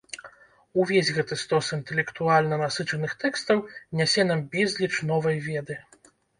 Увесь гэты стос інтэлектуальна насычаных тэкстаў нясе нам безліч новай веды.